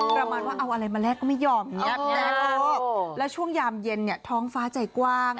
ประมาณว่าเอาอะไรมาแล้วก็ไม่ยอมยับแล้วช่วงยามเย็นท้องฟ้าใจกว้าง